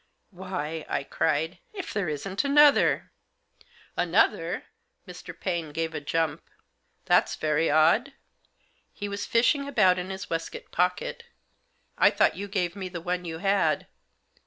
" Why," I cried, " if there isn't another !" "Another!" Mr. Paine gave a jump. "That's very odd." He was fishing about in his waistcoat pocket. " I thought you gave me the one you had."